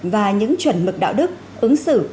và những chuẩn mực đạo đức ứng xử